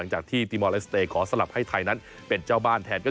หากทำผลงานได้ดี